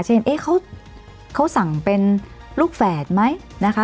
เขาสั่งเป็นลูกแฝดไหมนะคะ